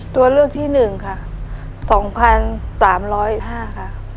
ตัวเลือกที่๑ค่ะ๒๓๐๕ค่ะ